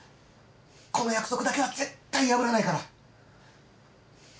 この約束だけは絶対に破らないから。